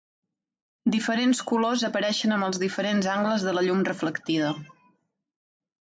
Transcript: Diferents colors apareixen amb els diferents angles de la llum reflectida.